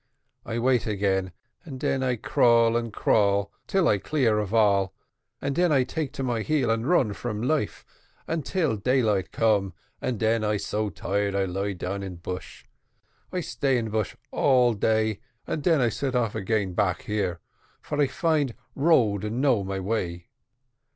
I wait again, and den I crawl and crawl till I clear of all, and den I take to my heel and run for um life, till daylight come, and den I so tired I lie down in bush: I stay in bush all day, and den I set off again back here, for I find road and know my way.